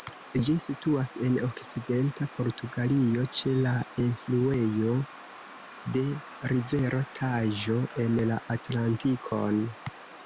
Ĝi situas en okcidenta Portugalio ĉe la enfluejo de rivero Taĵo en la Atlantikon.